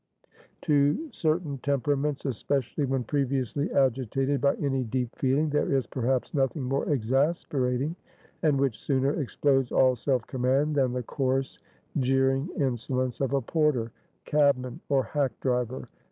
To certain temperaments, especially when previously agitated by any deep feeling, there is perhaps nothing more exasperating, and which sooner explodes all self command, than the coarse, jeering insolence of a porter, cabman, or hack driver.